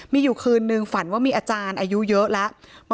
มีอยู่คืนนึงฝันว่ามีอาจารย์อายุเยอะแล้ว